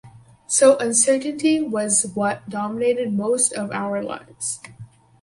So uncertainty was what dominated most of our lives.